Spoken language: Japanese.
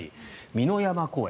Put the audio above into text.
美の山公園。